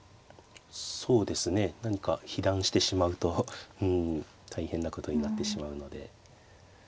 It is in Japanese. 何か被弾してしまうとうん大変なことになってしまうので。